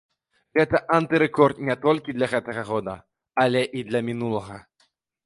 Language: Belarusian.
Гэта антырэкорд не толькі для гэтага года, але і для мінулага.